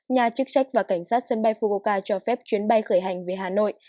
nhà chức trách và cảnh sát sân bay fugoka cho phép chuyến bay khởi hành về hà nội